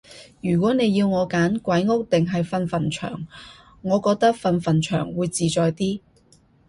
如果你要我揀鬼屋定係瞓墳場，我覺得瞓墳場會自在啲